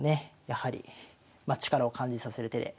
やはり力を感じさせる手で。